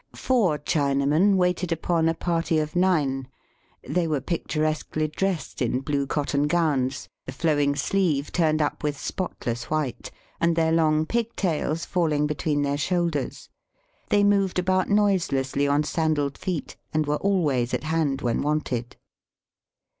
Four Chinamen waited upon a party of nine. They were picturesquely dressed in blue cotton gowns, the flowing sleeve turned up with spotless white, and their long pigtails falling between their shoulders. They moved about noiselessly on sandalled feet, and were always at hand when wanted.